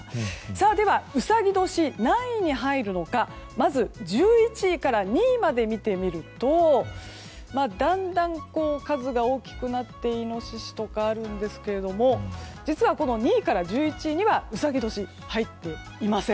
では、うさぎ年何位に入るのかまず、１１位から２位まで見てみるとだんだん数が大きくなっていのししとかあるんですけど実は２位から１１位にはうさぎ年、入っていません。